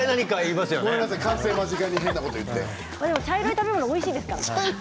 茶色い食べ物はおいしいですから。